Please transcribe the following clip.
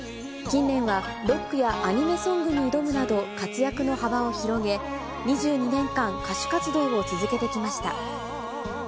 近年はロックやアニメソングに挑むなど、活躍の幅を広げ、２２年間、歌手活動を続けてきました。